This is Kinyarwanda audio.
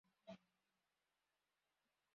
Umucuranzi kuruhande rwerekana impano ye kumugaragaro